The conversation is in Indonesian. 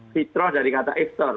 fitrah dari kata iftar